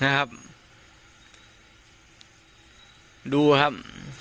มาดูครับ